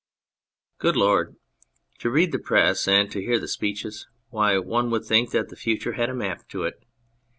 Good Lord ! To read the Press and to hear the speeches ! Why, one would think that the future had a map to it